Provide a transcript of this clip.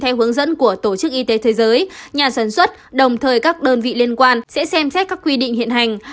theo hướng dẫn của tổ chức y tế thế giới nhà sản xuất đồng thời các đơn vị liên quan sẽ xem xét các quy định hiện hành